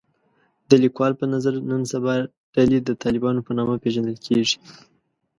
د لیکوال په نظر نن سبا ډلې د طالبانو په نامه پېژندل کېږي